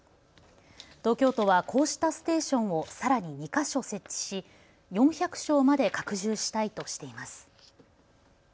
東京都はこうしたステーションをさらに２か所設置し４００床まで拡充したいとしています。